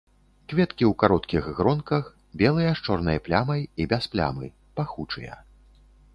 Кветкі ў кароткіх гронках, белыя з чорнай плямай і без плямы, пахучыя.